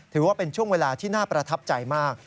ถือว่าเป็นช่วงเวลาที่น่าประทับใจมาก